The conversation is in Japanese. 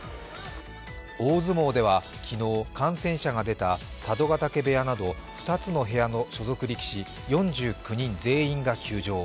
大相撲では昨日、感染者が出た佐渡ヶ嶽部屋など２つの部屋の所属力士４９人全員が休場。